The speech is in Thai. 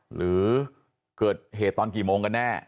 หรือเกิดเหตุตอนกี่โมงกันแน่